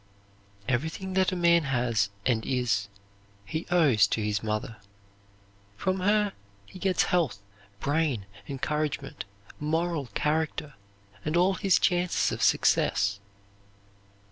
Everything that a man has and is he owes to his mother. From her he gets health, brain, encouragement, moral character, and all his chances of success.